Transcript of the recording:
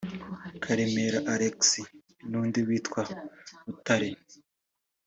Karemera Alex n’undi witwa Butare